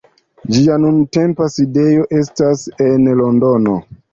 Ĝia nuntempa sidejo estas en Londono.